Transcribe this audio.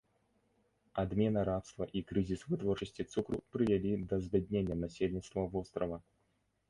Адмена рабства і крызіс вытворчасці цукру прывялі да збяднення насельніцтва вострава.